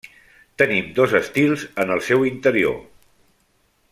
Tenim dos estils en el seu interior.